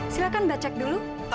silahkan mbak cek dulu